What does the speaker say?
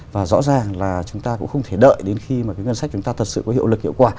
và rõ ràng là chúng ta cũng không thể đợi đến khi mà cái ngân sách chúng ta thật sự có hiệu lực hiệu quả